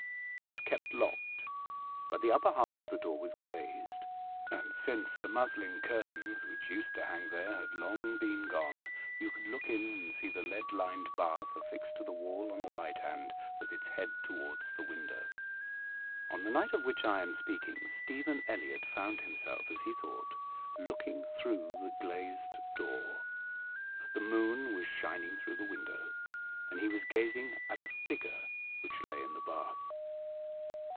It was kept locked, but the upper half of the door was glazed, and, since the muslin curtains which used to hang there had long been gone, you could look in and see the lead lined bath affixed to the wall on the right hand, with its head towards the window. On the night of which I am speaking, Stephen Elliott found himself, as he thought, looking through the glazed door. The moon was shining through the window, and he was gazing at a figure which lay in the bath.